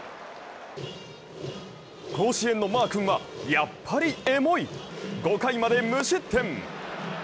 甲子園のマー君はやっぱりエモい５回まで無失点。